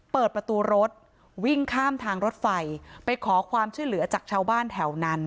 เปิดประตูรถวิ่งข้ามทางรถไฟไปขอความช่วยเหลือจากชาวบ้านแถวนั้น